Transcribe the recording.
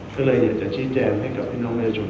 ก็เลยอยากจะชี้แจงให้กับพี่น้องประชาชน